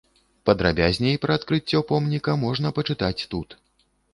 Падрабязней пра адкрыццё помніка можна пачытаць тут.